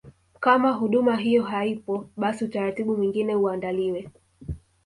Kama huduma hiyo haipo basi utaratibu mwingine uandaliwe